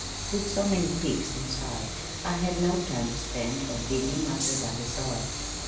With so many peaks in sight, I had no time to spend on digging up the valley soil.